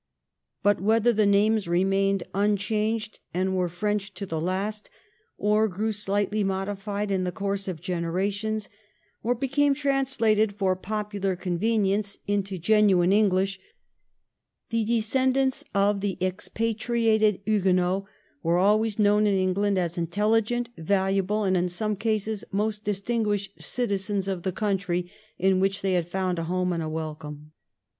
But whether the names remained unchanged and were French to the last, or grew slightly modified in the course of generations, or became translated for popular convenience into M 2 164 THE EEIGN OF QTJEEN ANNE. ch. xxviii. genuine English, the descendants of the expatriated Huguenots were always known in England as intelligent, valuable, and, in some cases, most distinguished citizens of the country in which they had found a home and a welcome.